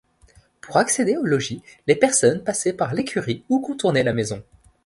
Pour accéder au logis, les personnes passaient par l'écurie ou contournaient la maison.